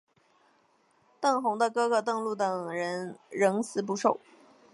邓弘的哥哥邓骘等人仍辞不受。